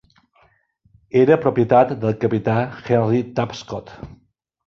Era propietat del capità Henry Tapscott.